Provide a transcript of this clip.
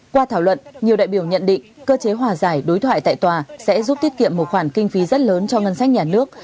qua thảo luận nhiều đại biểu nhận định cơ chế hòa giải đối thoại tại tòa sẽ giúp tiết kiệm một khoản kinh phí rất lớn cho ngân sách nhà nước